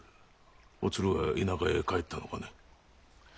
おつるは田舎へ帰ったのかね？